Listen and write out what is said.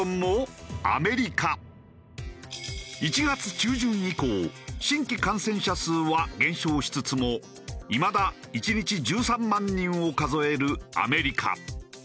１月中旬以降新規感染者数は減少しつつもいまだ１日１３万人を数えるアメリカ。